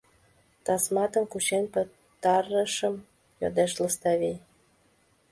Тасматым кучен пытарышым, — йодеш Лыставий.